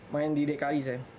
main di dki saya